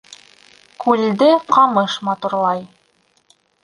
Күлде ҡамыш матурлай